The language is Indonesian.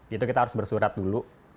gitu kita harus bersurat dulu